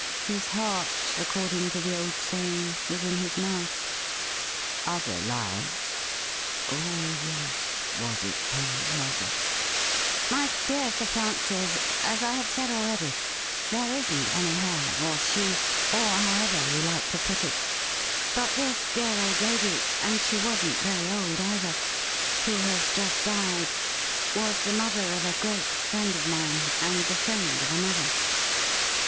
His heart, according to the old saying, was in his mouth. * Other lives ? Oh yes, was it her mother ?''' My dear Sir Francis, as I have said already, there isn't any her or she, or however you like to put it. But this dear old lady — and she wasn't very old, either — who has just died was the mother of a great friend of mine, and the friend of another.'